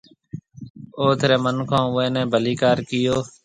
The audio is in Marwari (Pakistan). اوٿ رَي مِنکون اُوئي نَي ڀليڪار ڪئيو۔